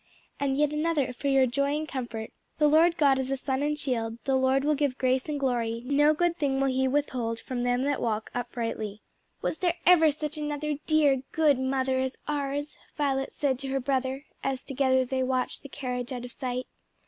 And yet another for your joy and comfort, 'The Lord God is a sun and shields the Lord will give grace and glory: no good thing will he withhold from them that walk uprightly.'" "Was there ever such another dear, good mother as ours?" Violet said to her brother, as together they watched the carriage out of sight.